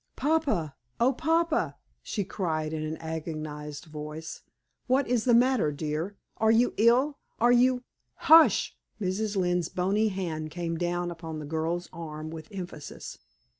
"Papa! oh, papa!" she cried in an agonized voice, "what is the matter, dear? Are you ill? Are you " "Hush!" Mrs. Lynne's bony hand came down upon the girl's arm with emphasis.